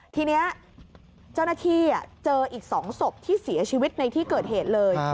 ทีนี้เจ้าหน้าที่เจออีก๒ศพที่เสียชีวิตในที่เกิดเหตุเลย